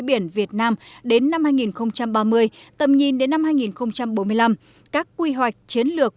biển việt nam đến năm hai nghìn ba mươi tầm nhìn đến năm hai nghìn bốn mươi năm các quy hoạch chiến lược